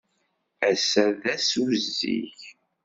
Ass-a d ass uzzig.